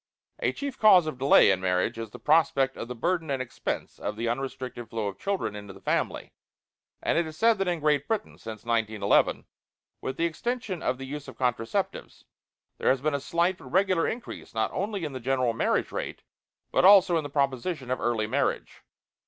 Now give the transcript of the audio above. A chief cause of delay in marriage is the prospect of the burden and expense of an unrestricted flow of children into the family; and it is said that in Great Britain, since 1911, with the extension of the use of contraceptives, there has been a slight but regular increase not only in the general marriage rate but also in the proposition of early marriage.